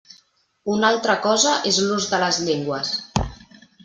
Una altra cosa és l'ús de les llengües.